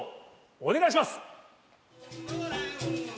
お願いします！